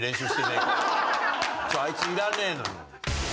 あいついらねえのに。